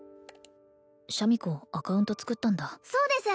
シャミ子アカウント作ったんだそうです！